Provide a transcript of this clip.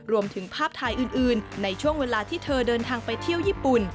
รวมถึงภาพถ่ายอื่นในช่วงเวลาที่เธอเดินทางไปเที่ยวญี่ปุ่น